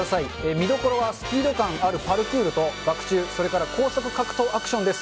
見どころは、スピード感あるパルクールとバク宙、それから高速格闘アクションです。